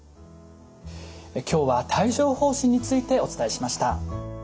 今日は帯状ほう疹についてお伝えしました。